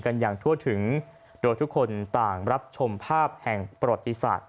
กันอย่างทั่วถึงโดยทุกคนต่างรับชมภาพแห่งประวัติศาสตร์